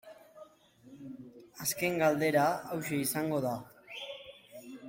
Azken galdera hauxe izango da.